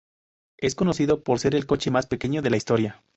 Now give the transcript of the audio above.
Es conocido por ser el coche más pequeño de la historia.